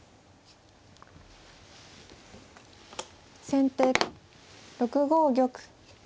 先手６五玉。